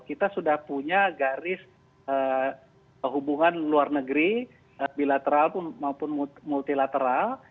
kita sudah punya garis hubungan luar negeri bilateral maupun multilateral